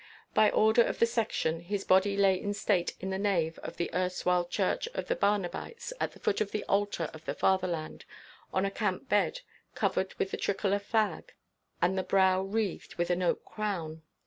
By order of the Section his body lay in state in the nave of the erstwhile church of the Barnabites, at the foot of the Altar of the Fatherland, on a camp bed, covered with a tricolour flag and the brow wreathed with an oak crown.